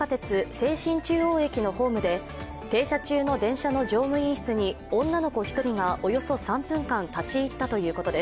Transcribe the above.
西神中央駅のホームで停車中の電車の乗務員室に女の子１人がおよそ３分間、立ち入ったということで。